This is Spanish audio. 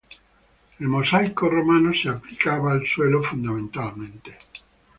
El mosaico romano se aplicaba al suelo fundamentalmente.